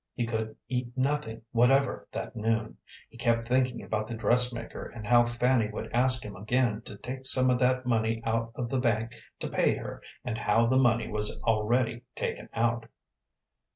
He could eat nothing whatever that noon. He kept thinking about the dressmaker, and how Fanny would ask him again to take some of that money out of the bank to pay her, and how the money was already taken out.